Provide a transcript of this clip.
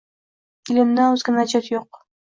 Ilmdan oʻzga najot yoʻq.